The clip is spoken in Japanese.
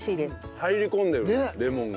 入り込んでるレモンが。